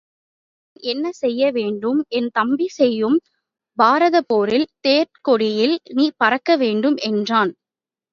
நான் என்ன செய்ய வேண்டும்? என் தம்பி செய்யும் பாரதப்போரில் தேர்க்கொடியில் நீ பறக்க வேண்டும் என்றான்.